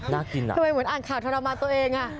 น่ากินอ่ะทำไมเหมือนอ่านข่าวทรมานตัวเองอ่ะ